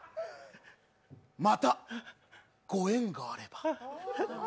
またご縁があれば。